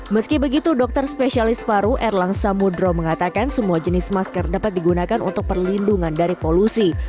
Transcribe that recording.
meski begitu dokter spesialis paru erlang samudro mengatakan semua jenis masker dapat digunakan untuk perlindungan dari polusi